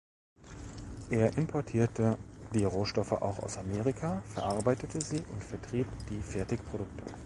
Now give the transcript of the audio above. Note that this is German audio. Er importierte die Rohstoffe auch aus Amerika, verarbeitete sie und vertrieb die Fertigprodukte.